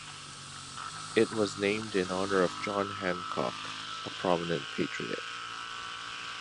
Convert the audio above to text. It was named in honor of John Hancock, a prominent Patriot.